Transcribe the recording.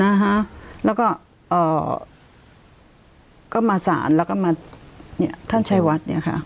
นะคะแล้วก็เอ่อก็ก็มาสารแล้วก็มาเนี่ยท่านชัยวัดเนี่ยค่ะ